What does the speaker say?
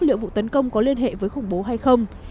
liệu vụ tấn công có liên hệ với khủng bố hay không